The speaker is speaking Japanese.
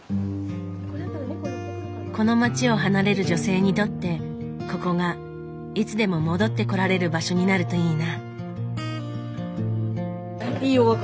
この街を離れる女性にとってここがいつでも戻ってこられる場所になるといいな。